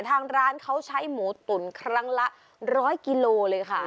ทางร้านเขาใช้หมูตุ๋นครั้งละ๑๐๐กิโลเลยค่ะ